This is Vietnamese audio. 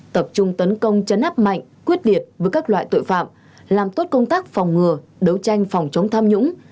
tập trung tấn công chấn áp mạnh quyết liệt với các loại tội phạm làm tốt công tác phòng ngừa đấu tranh phòng chống tham nhũng